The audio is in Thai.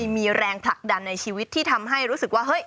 มีแรงผลักดันในชีวิตที่ทำให้รู้สึกว่าเฮ้ย